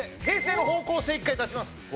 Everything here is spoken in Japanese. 平成の方向性一回出します。